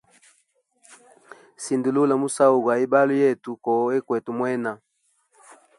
Sindulula musau gwa ibalo yetu ko wokwete mwena.